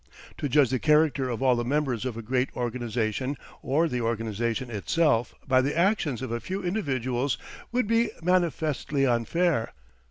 To judge the character of all the members of a great organization or the organization itself by the actions of a few individuals would be manifestly unfair.